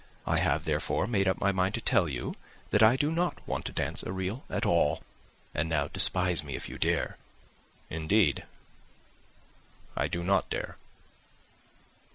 I have, therefore, made up my mind to tell you that I do not want to dance a reel at all; and now despise me if you dare." "Indeed I do not dare."